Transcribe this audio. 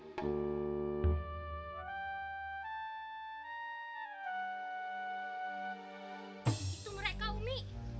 itu mereka umi